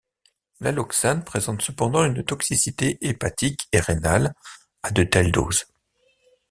L'alloxane présente cependant une toxicité hépatique et rénale à de telles doses.